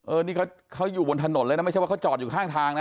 นี่เขาอยู่บนถนนเลยนะไม่ใช่ว่าเขาจอดอยู่ข้างทางนะ